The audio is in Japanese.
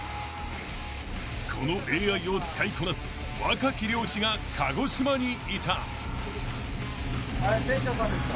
［このＡＩを使いこなす若き漁師が鹿児島にいた］